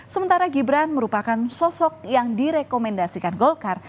sementara gibran merupakan sosok yang direkomendasikan golkar